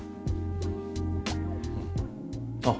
あっ！